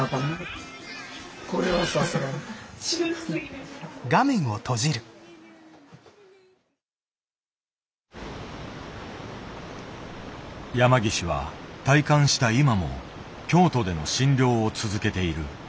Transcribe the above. だから山岸は退官した今も京都での診療を続けている。